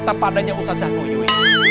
tepadanya ustaz zanuyui